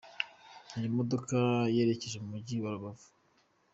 Iyo modoka yerekeje mu mujyi wa Rubavu.